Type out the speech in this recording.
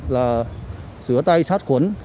là sửa tay sát khuẩn